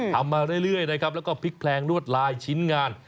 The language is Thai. มาเรื่อยนะครับแล้วก็พลิกแพลงลวดลายชิ้นงาน